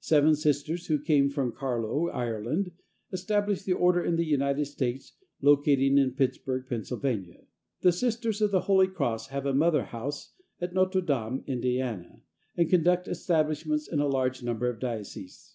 Seven Sisters, who came from Carlow, Ireland, established the order in the United States, locating in Pittsburg, Pa. The Sisters of the Holy Cross have a Mother House at Notre Dame, Ind., and conduct establishments in a large number of dioceses.